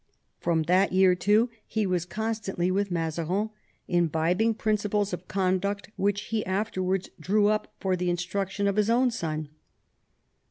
From that year, too, he was constantly with Mazarin, imbibing principles of conduct which he afterwards drew up for the in struction of his own son.